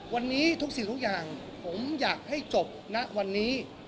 วันนี้ทุกสิ่งทุกอย่างผมอยากให้จบณวันนี้